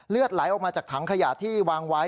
ไหลออกมาจากถังขยะที่วางไว้